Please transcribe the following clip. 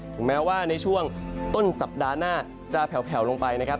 ถึงแม้ว่าในช่วงต้นสัปดาห์หน้าจะแผลวลงไปนะครับ